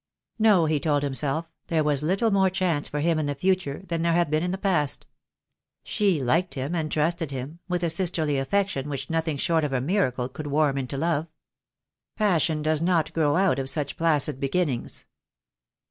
No, he told himself, there was little more chance for him in the future than there had been in the past. She liked him and trusted him, with a sisterly affection which nothing short of a miracle could warm into love. Passion does not grow out of such placid beginnings.